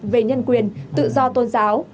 về nhân quyền tự do tôn giáo